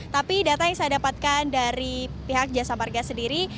tapi data yang saya dapatkan dari pihak jasa marga sendiri